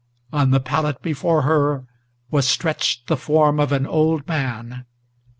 On the pallet before her was stretched the form of an old man.